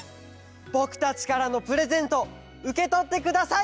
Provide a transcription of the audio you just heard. ぼくたちからのプレゼントうけとってください。